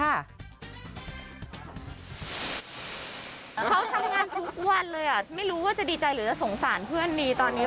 เขาทำงานทุกวันเลยไม่รู้ว่าจะดีใจหรือจะสงสารเพื่อนมีตอนนี้